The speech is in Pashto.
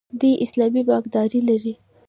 دوی اسلامي بانکداري لري.